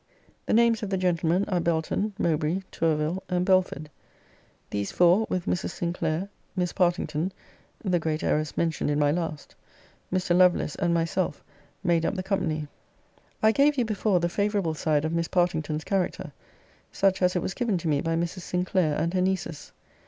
The names of the gentlemen are Belton, Mowbray, Tourville, and Belford. These four, with Mrs. Sinclair, Miss Partington, the great heiress mentioned in my last, Mr. Lovelace, and myself, made up the company. I gave you before the favourable side of Miss Partington's character, such as it was given to me by Mrs. Sinclair, and her nieces.